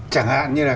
chẳng hạn như là